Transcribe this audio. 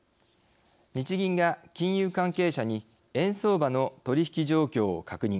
日銀が金融関係者に円相場の取引き状況を確認。